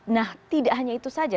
nah tidak hanya itu saja